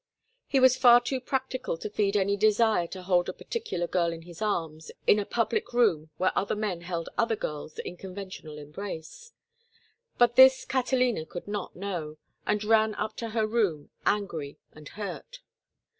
He was far too practical to feel any desire to hold a particular girl in his arms in a public room where other men held other girls in conventional embrace; but this Catalina could not know, and ran up to her room angry and hurt.